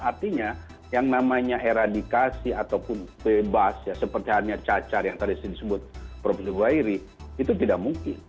artinya yang namanya eradikasi ataupun bebas ya seperti hanya cacar yang tadi disebut prof zubairi itu tidak mungkin